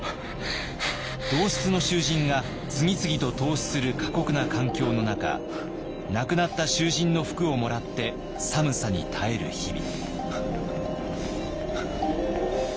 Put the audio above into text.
同室の囚人が次々と凍死する過酷な環境の中亡くなった囚人の服をもらって寒さに耐える日々。